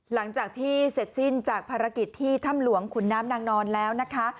หลังจากที่เสร็จสิ้นจากภารกิจที่ถ้ำหลวงขุนน้ำนางนอนแล้วนะคะ